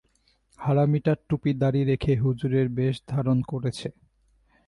হারামিটা টুপি-দাঁড়ি রেখে হুজুরের বেশ ধারণ করেছে।